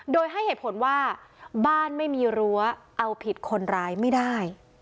โดยให้เหตุผลว่าบ้านไม่มีรั้วเอาผิดคนร้ายไม่ได้